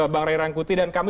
bang ray rangkuti dan kami